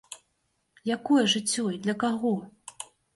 Якое жыццё і для каго?